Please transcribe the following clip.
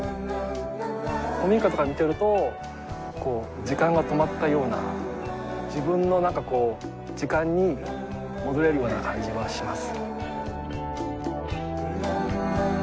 古民家とか見てるとこう時間が止まったような自分のなんかこう時間に戻れるような感じはします。